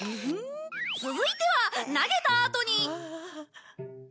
続いては投げたあとに。